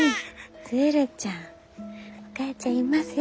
鶴ちゃんお母ちゃんいますよ。